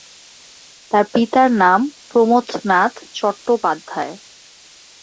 তার পিতার নাম প্রমথনাথ চট্টোপাধ্যায়।